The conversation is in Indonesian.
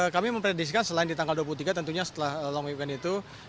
kami mempredisikan selain di tanggal dua puluh tiga tentunya setelah long weekend itu